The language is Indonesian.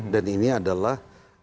dan ini adalah